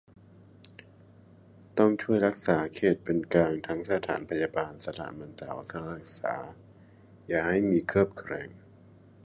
ต้องช่วยรักษา 'เขตเป็นกลาง' ทั้งสถานพยาบาล สถานบรรเทาภัย สถานศึกษา อย่าให้มีเคลือบแคลง